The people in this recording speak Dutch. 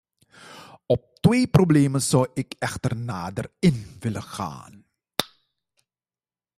Op twee problemen zou ik echter nader in willen gaan.